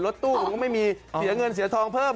ตู้ผมก็ไม่มีเสียเงินเสียทองเพิ่ม